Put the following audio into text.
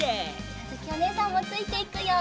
あづきおねえさんもついていくよ。